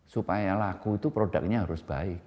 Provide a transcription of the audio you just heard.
supaya laku itu produknya harus baik